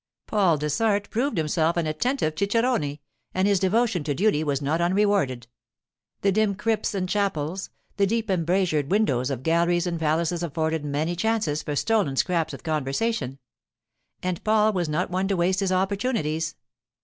Paul Dessart proved himself an attentive cicerone, and his devotion to duty was not unrewarded; the dim crypts and chapels, the deep embrasured windows of galleries and palaces afforded many chances for stolen scraps of conversation. And Paul was not one to waste his opportunities.